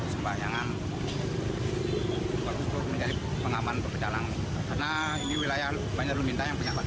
dan kegiatan yang bagus untuk memiliki pengamanan pecalang karena ini wilayah lumintang yang banyak